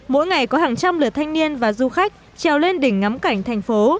mỗi ngày có hàng trăm lửa thanh niên và du khách treo lên đỉnh ngắm cảnh thành phố